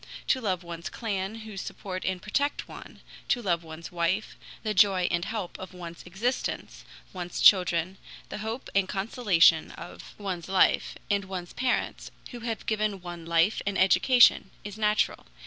To love one's clan who support and protect one, to love one's wife, the joy and help of one's existence, one's children, the hope and consolation of one's life, and one's parents, who have given one life and education, is natural.